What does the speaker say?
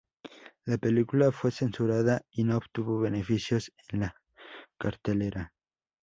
La película fue censurada y no obtuvo beneficios en la cartelera.